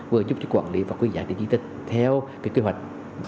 vừa giúp chức quản lý và quy giải định di tích theo cái kế hoạch